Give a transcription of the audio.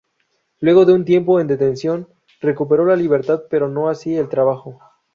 Luego de un tiempo en detención recuperó la libertad pero no así el trabajo.